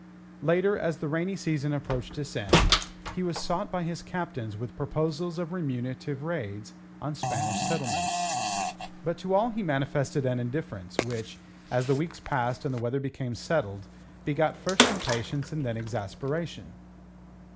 Later, as the rainy season approached its end, he was sought by his captains with proposals of remunerative raids on Spanish settlements. But to all he manifested an indifference which, as the weeks passed and the weather became settled, begot first impatience and then exasperation.